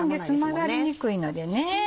混ざりにくいのでね。